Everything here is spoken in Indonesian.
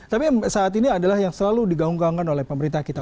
tapi saat ini adalah yang selalu digaung gaungkan oleh pemerintah kita